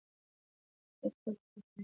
حقیقت تل تریخ نه وي.